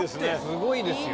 すごいですよ。